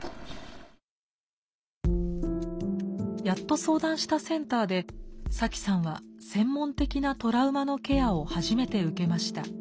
やっと相談したセンターでサキさんは専門的なトラウマのケアを初めて受けました。